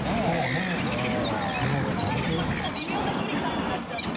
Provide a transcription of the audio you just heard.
何かこっちも微妙な距離感になっちゃって。